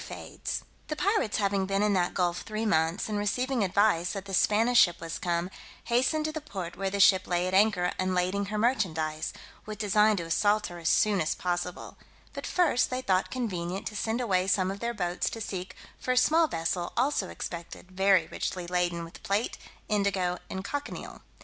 [Illustration: "'THEY BOARDED THE SHIP WITH GREAT AGILITY'" Page 92] The pirates having been in that gulf three months, and receiving advice that the Spanish ship was come, hastened to the port where the ship lay at anchor unlading her merchandise, with design to assault her as soon as possible; but first they thought convenient to send away some of their boats to seek for a small vessel also expected very richly laden with plate, indigo, and cochineal.